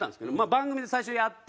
番組で最初にやって。